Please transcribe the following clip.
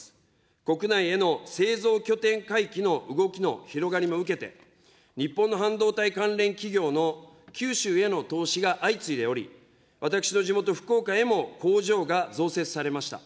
国内への製造拠点回帰の動きの広がりも受けて、日本の半導体関連企業の九州への投資が相次いでおり、私の地元、福岡へも工場が増設されました。